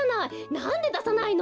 なんでださないの？